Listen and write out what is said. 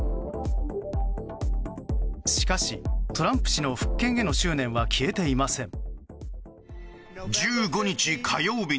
しかし、トランプ氏の復権への執念は消えていません。